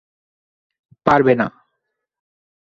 পারবে না।